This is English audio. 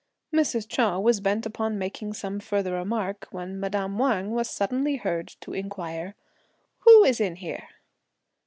Mrs. Chou was bent upon making some further remark, when madame Wang was suddenly heard to enquire, "Who is in here?"